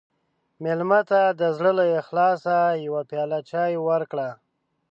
مېلمه ته د زړه له اخلاصه یوه پیاله چای ورکړه.